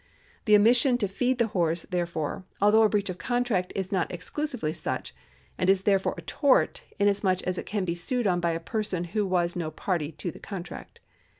The omission to feed the horse, therefore, al though a breach of contract, is not exclusively such, and is therefore a tort, inasmuch as it can be sued on by a person who is no party to the contract.